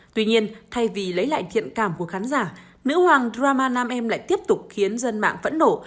tuy nhiên thay vì lấy lại thiện cảm của khán giả nữ hoàng drama nam em lại tiếp tục khiến dân mạng phẫn nổ